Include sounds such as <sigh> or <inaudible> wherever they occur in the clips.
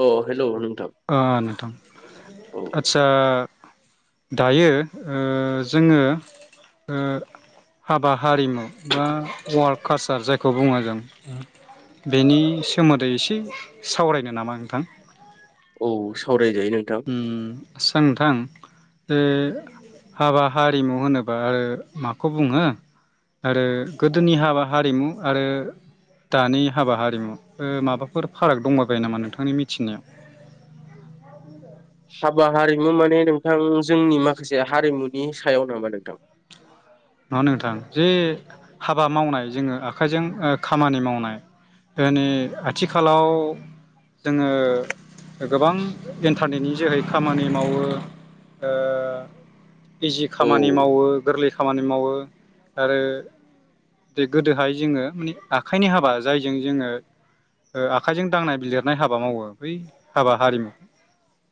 अ hello नोंथां आ नोंथां औ आदसा आ दायो ओ जोङो ओ हाबा हारिमु बा वार्क कासार जायखौ बुङो जों बेनि सोमोदै एसे सावरायनो नामा नोंथां औ सावराय जायो नोंथां थां नोंथां ओ हाबा हारिमु होनोबा ओ माखौ बुङो आरो गोदोनि हाबा हारिमु आरो दानि हाबा हारिमु ओ माबाफोर फाराग दंबा बायो नामा नोंथांनि मिथिनायाव हाबा हारिमु माने नोंथां जोंनि माखासे हारिमुनि सायाव नामा नोंथां नङा नोंथां जे हाबा मावनाय जोङो आखाइजों ओ खामानि मावनाय माने आथिखालाव जोङो गोबां इन्टारनेटनि जोहै खामानि मावो ओ इजि औ खामानि मावो गोरलै खामानि मावो आरो बे गोदोहाय जोङो मानि आखाइनि हाबा जायजों जोङो ओ आखाइजों दांनाय बिलिरनाय हाबा मावो बै हाबा हारिमु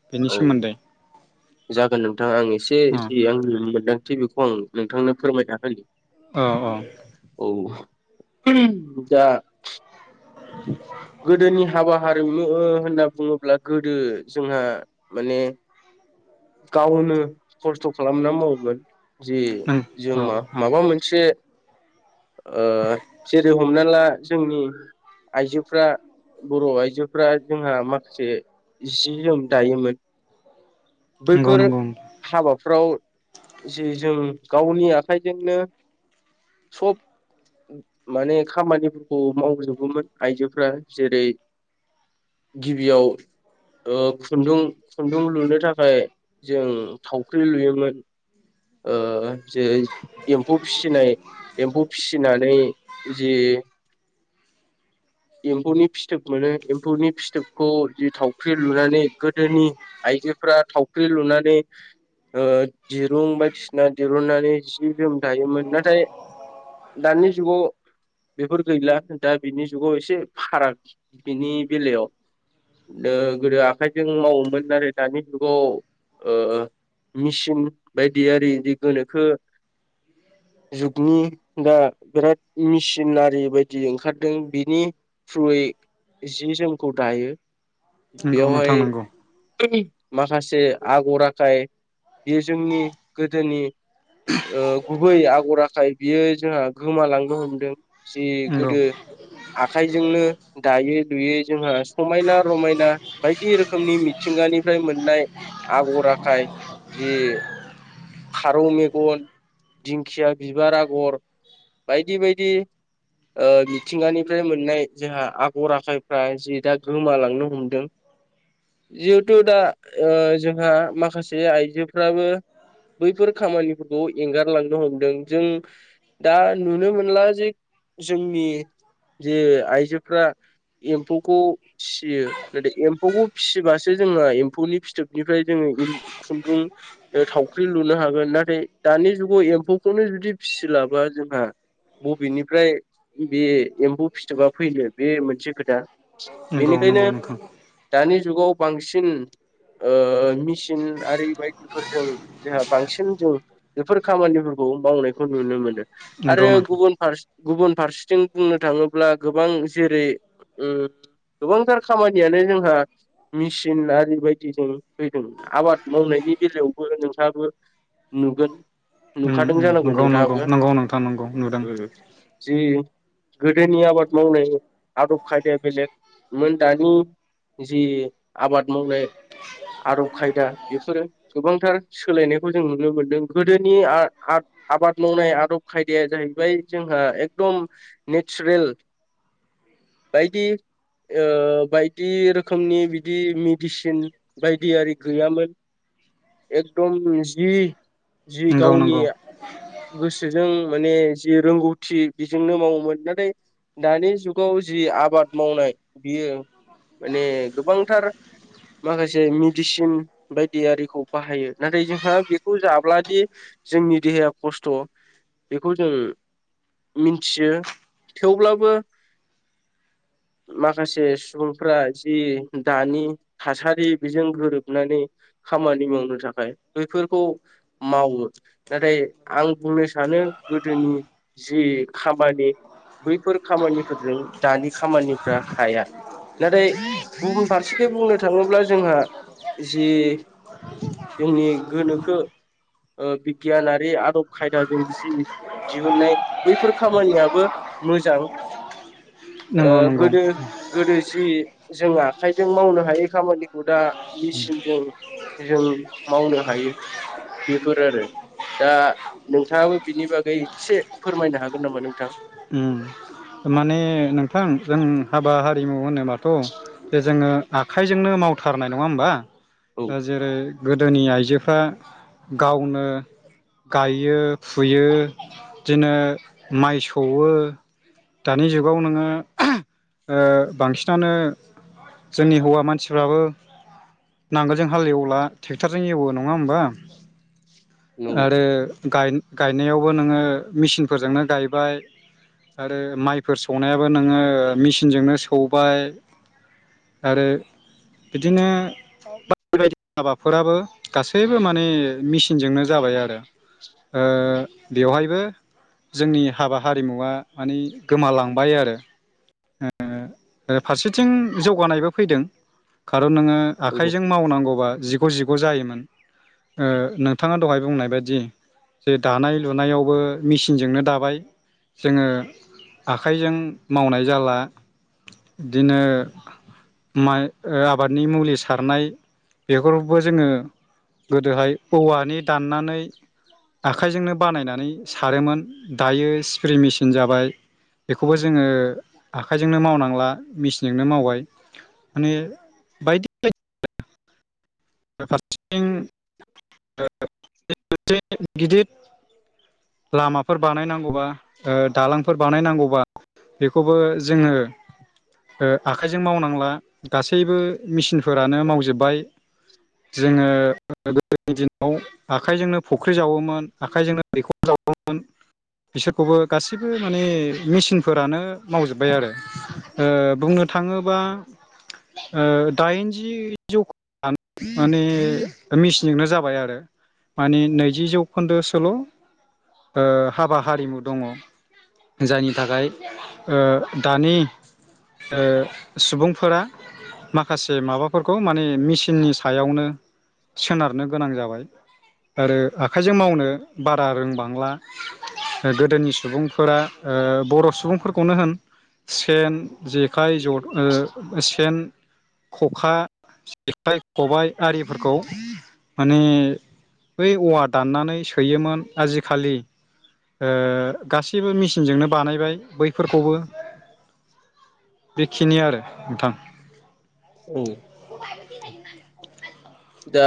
बेनि औ सोमोन्दै जागोन नोंथां आं एसे अ जि आंनि मोनदां थि बेखौ आं नोंथांनो फोरमायना होनि अ अ उम जा गोदोनि हाबा हा रिमु ओ होनना बुङोब्ला गोदो जोंहा माने गावनो खस्थ' खालामना मावोमोन जे नों जों औ मा माबा मोनसे ओ जेरै हमना ला जोंनि आइजोफ्रा बर' आइजोफ्रा जोंहा माखासे जि जोम दायोमोन नंगौ बैफोर नंगौ हाबाफ्राव जि जों गावनि आखाइजोंनो सब माने खामानिफोरखौ मावजोबोमोन आइजोफ्रा जेरै गिबियाव ओ खुन्दुं खुन्दुं लुनो थाखाय जों थावख्रि लुयोमोन ओ जे एम्फौ फिसिनाय एम्फौ फिसिनानै जि एम्फौनि फिथोब मोनो एम्फौनि फिथोबखौ जि थावख्रि लुनानै गोदोनि आइजोफोरा थावख्रि लुनानै ओ दिरुं बायदिसिना दिरुननानै जि जोम दयोमोन नाथाय दानि जुगाव बेफोर गैला दा बिनि जुगाव एसे फाराग बिनि बेलायाव ओ गोदो आखाइजों मावोमोन आरो दानि जुगाव ओ मेचिन बायदि आरि बिदि गोनोखो जुगनि दा बिराद मिसिनारि बायदि ओंखारदों बि नि थ्रुयै जि जोंखौ दायो नंगौ नोंथां बेयावहाय नंगौ माखासे आगर आखाय बेयो जोंनि गोदोनि ओ गुबै आगर आखाय बियो जोंहा गोमालांनो हमदों जि नंगौ गोदो आखाइजोंनो दायै लुयै जोंहा समायना रमायना बायदि रोखोमनि मिथिंगानिफ्राय मोननाय आगर आखाय जि फारौ मेगन दिंखिया बिबार आगर बायदि बायदि ओ मिथिंगानि फ्राय मोननाय जोंहा आगर आखायफ्रा जि दा गोमालांनो हमदों जिहेथु दा ओ जोंहा माखासे आइजोफ्राबो बैफोर खामानिफोरखौ एंगारलांनो हमदों जों दा नुनो मोनला जे जोंनि जे आइजोफ्रा एम्फौखौ फिसियो नाथाय एम्फौखौ फिसिबासो जोंहा एम्फौनि फिथोबनिफ्राय जोङो खुन्दुं थावख्रि लुनो हागोन नाथाय दानि जुगाव एम्फौखौनो जुदि फिसिलाबा जोंहा बबेनिफ्राय बे एम्फौ फिथोबा फैनो बे मोनसे खोथा नंगौ नंगौ बेनिखायनो नोंथां दानि जुगाव बांसिन ओ मिसिन आरि बायदिफोरजों जोंहा बांसिन जों बेफोर खामानिफोरखौ मावनायखौ नुनो मोनो नंगौ आरो नोंथां गुबुन फारसे गुबुन फारसेथिं बुंनो थाङोब्ला गोबां जेरै उम गोबांथार खामानियानो जोंहा मेसिन आरि बायदि जों फैदों आबाद मावनायनि बेलायावबो नोंथांआबो नुगोन उम नुखादों उम जानांगौ नंगौ नंगौ नोंथाङाबो नंगौ नोंथा नंगौ नुदों उम जि गोदोनि आबाद मावनाय आदब खायदाया बेलेगमोन दानि जि आबाद मावनाय आदब खायदा बेफोरो गोबांथार सोलायनायखौ जों नुनो मोनदों गोदोनि आ-आ-आबाद मावनाय आदब खायदाया जाहैबाय जोंहा एकदम नेचारेल बायदि ओ बायदि रोखोमनि बिदि मेडिसिन बायदि आरि गैयामोन एकदम जि जि नंगौ गावनि नंगौ गोसोजों माने जि रोंगौथि बेजोंनो मावोमोन नाथाय दानि जुगाव जि आबाद मावनाय बियो माने गोबांथार माखासे मिडिसिन बायदि आरिखौ बाहायो नाथाय जोंहा बेखौ जाब्लादि जोंनि देहाया खस्थ' बेखौ जों मिनथियो थेवब्लाबो माखासे सुबुंफ्रा जि दानि थासारि बेजों गोरोबनानै खामानि मावनो थाखाय बैफोरखौ मावो नाथाय आं बुंनो सानो गोदोनि जि खामानि बैफोर खामानिफोरजों दानि खामानिफ्रा हाया नाथाय गुबुन फारसेखै बुंनो थाङोब्ला जोंहा जि जोंनि गोनोखो ओ बिगियानारि आदब खायदाजों जि दिहुननाय बैफोर खामानियाबो मोजां ओ नंगौ नंगौ गोदो गोदो जि जों आखाइजों मावनो हायै खामानिखौ दा मेसिनजों जों मावनो हायो बेफोर आरो दा नोंथां बिनि बागै एसे फोरमायनो हागोन नामा नोंथां उम माने नोंथां जों हाबा हारिमु होनो होनबाथ' बे जोङो आखाइजोंनो मावथारनाय नङा होमबा औ ओ जेरै गोदोनि आइजोफ्रा गावनो गायो फुयो बिदिनो माइ सौवो दानि जुग गाव नोङो ओ बांसिनानो जोंनि हौवा मानसिफ्राबो नांगोलजों हाल एवला टेक्ट'रजों एवो नङा होमबा नंगौ आरो गाय-गायनायावबो नोङो मेसिनफोरजोंनो गायबाय आरो माइ फोर सौनायाबो नोङो मिसिनजोंनो सौबाय आरो बिदिनो बाय-बायदि हाबाफोराबो गासैबो माने मेसिनजोंनो जाबाय आरो बेवहायबो जोंनि हाबा हारिमुवा मानि गोमालांबाय आरो ओ ओरै फारसेथिं जौगानायबो फैदों आरो नोङो नंगौ आखाइजों मावनांगौबा जि जिग' जिग' जायोमोन ओ नोंथाङा दहाय बुंनाय बायदि जे दानाय लुनायावबो मिचिनजोंनो दाबाय जोङो आखाइजों मावनाय जाला बिदिनो माइ ओ आबादनि मुलि सारनाय बेफोरखौबो जोङो गोदोहाय औवानि दाननानै आखाइजोंनो बानायनानै सारोमोन दायो स्प्रे मेसिन जाबाय बेखौबो जोङो आखाइजोंनो मावनांला मेसिनजोंनो मावबाय माने बायदि बायदि फारसेथिं <unintelligible> गिदिर लामाफोर बानायनांगौबा ओ दालांफोर बानायनांगौबा बेखौबो जोङो ओ आखाइजों मावनांला गासैबो मिसिनफोरानो मावजोबबाय जोङो गोदोनि दिनाव आखाइजोंनो फुख्रि जावोमोन आखाइजोंनो दैखर जावोमोन बिसोरखौबो गासैबो माने मेचिनफोरानो मावजोब्बाय आरो ओ बुंनो थाङोबा ओ दाइनजि जौ <unintelligible> माने मिसिनानो जाबाय आरो माने नैजि जौखोन्दोसोल' ओ हाबा हारिमु दङ जायनि थाखाय ओ दानि ओ सुबुंफोरा माखासे माबाफोरखौ माने मिस सिननि सायावनो सोनारनो गोनां जाबाय आरो आखाइजों मावनो बारा रोंबांला गोदोनि सुबुंफोरा ओ बर' सुबुंफोरखौनो होन सेन जेखाइ ज ओ सेन खखा जेखाइ खबाय आरिफोरखौ माने बै औवा दाननानै सैयोमोन आजिखालि ओ गासैबो मेचिनजोंनो बानायबाय बैफोरखौबो बेखिनि आरो नोंथां औ <unintelligible> दा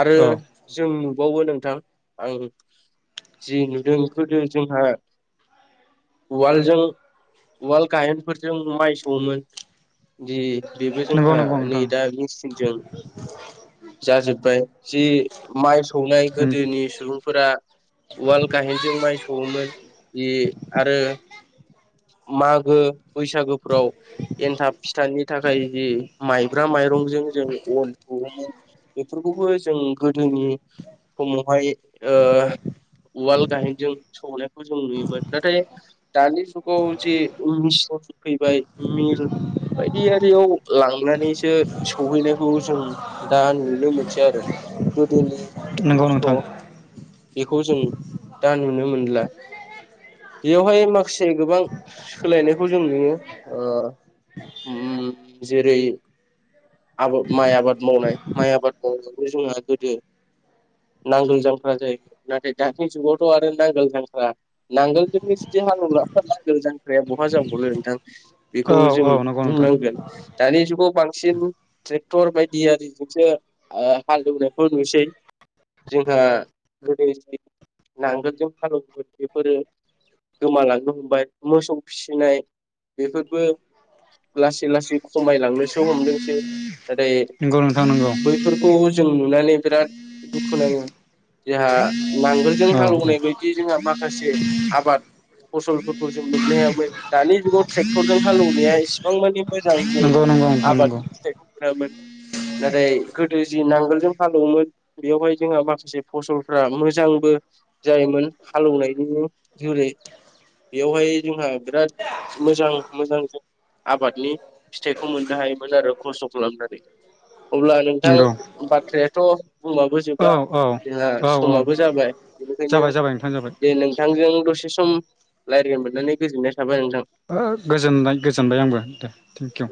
आरो जों बावो नोंथां आं जि नुदों गोदो जोंहा उवालजों उवाल गाइहेनफोरजों माइ सौवोमोन दि बेबो नंगौ जोंहा नंगौ नोंथां नै दा मेसिनजों जाजोबबाय जि माइ सौनाय गोदोनि सुबुंफोरा उवाल गाहेनजों माइ सौवोमोन जि आरो मागो बैसागोफ्राव एन्थाब फिथानि थाखाय जि माइब्रा माइरंजों जों अन सोमोन बेफोरखौबो जों गोदोनि समावहाय ओ उवाल गाहेनजों सौनायखौ जों नुयोमोन नाथाय दानि जुगाव जे मिचन फैबाय मिल बायदियियाव लांनानैसो सहैनायखौ जों दा नुनो मोनसै आरो गोदोनि नंगौ नोंथां बेजों दा नुनो मोनला बेयावहाय माखा से गोबां सोलायनायखौ जों नुयो ओ उम जिहे जेरै आबाद माइ आबाद मावनाय आबाद मावनाय माइ आबाद मावनायावबो जोंहा गोदो नांगोल जांख्रा जायोमोन नाथाय दानि जुगावथ' आरो नांगोल जांख्रा नांगोलजोंनो जुदि हालुवग्रा <unintelligible> दाया बहा जाबावनो नोंथां बेखौ औ जों औ नंगौ नोंथां बुंनांगोन दानि जुगाव बांसिन सिन ट्रेक्टर बाय जोंसो ओ हालेवनायखौ नुसै जोंहा गोदो नांगोलजों हालेवगोन बेफोरो गोमालांनो हमबाय मोसौ फिसिनाय बेफोरबो लासै लासेै लासै खमायलांनोसो हमदोंसो दोनै। नंगौ नोंथां नंगौ बैफोरखौ जों नुनानै बिराद दुखु नाङो। जोंहा नांगोलजों औ हालेवनाय बायदि जोंहा माखासे आबाद फसलफोरखौ जों मोननो हायामोन दानि जुगाव ट्रेक्टरजों हालेवनाया इसिबां मानि मोजां जों नंगौ नंगौ नोंथां नंगौ आबादनि फिथाइखौ मोनामोन। गोदो जि नांगोलजों हालौवोमोन बेयावहाय जोंहा माखासे फसलफ्रा मोजांबो जायोमोन हालौवनायनि जुरै बेयावहाय जोंहा बिराद मोजां मोजां जों आबादनि फिथाइखौ मोननो हायोमोन आरो खस्थ' खालामनानै। अब्ला नोंथां नंगौ बाथ्राया थ' बुंबाबो औ जोबा औ जोंहा औ औ समाबो जाबाय बेनिखायनो जाबाय जाबाय नोंथां जाबाय दे नोंथांजों दसे सम रायलायनो मोननानै गोजोननाय थाबाय नोंथां ओ गोजोनबाय गोजोनबाय आंबो दे थेंकिउ